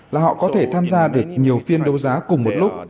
là họ có thể tham gia được nhiều phiên đấu giá cùng một lúc